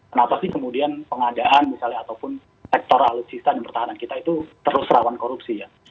kenapa sih kemudian pengadaan misalnya ataupun sektor alutsista dan pertahanan kita itu terus rawan korupsi ya